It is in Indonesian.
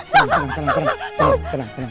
tenang tenang tenang